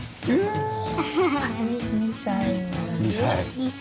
２歳？